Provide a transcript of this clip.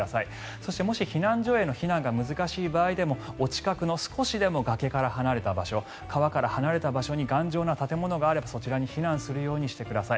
そして、もし避難所への避難が難しい場合でもお近くの少しでも崖から離れた場所川から離れた場所に頑丈な建物があればそちらに避難するようにしてください。